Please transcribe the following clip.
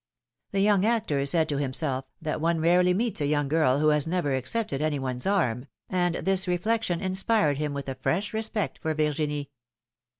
The young actor said to himself, that one rarely meets a young girl who has never accepted any one's arm, and this reflection inspired him with a fresh respect for Virginie.